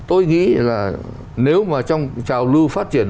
tôi nghĩ là nếu mà trong trào lưu phát triển